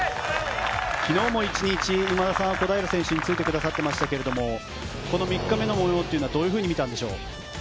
昨日も１日今田さん、小平選手についてくださってましたけど３日目の模様はどういうふうに見たんでしょう。